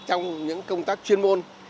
trong những công tác chuyên môn